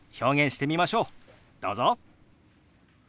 どうぞ！